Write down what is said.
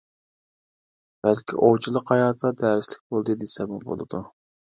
بەلكى ئوۋچىلىق ھاياتىدا دەرسلىك بولدى دېسەممۇ بولىدۇ.